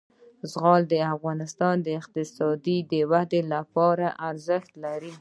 زغال د افغانستان د اقتصادي ودې لپاره ارزښت لري.